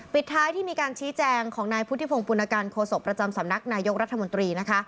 ปิดท้ายที่มีการชี้แจงของนายพุทธิพงศ์ปุณกันโคศกประจำสำนักนายกรัฐมนตรีนะคะ